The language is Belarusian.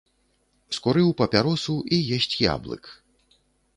Скурыў папяросу і есць яблык.